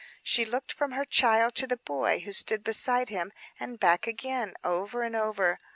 She looked from her child to the boy who stood beside him, and back again; over and over.